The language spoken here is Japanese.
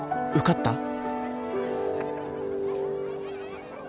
受かった？」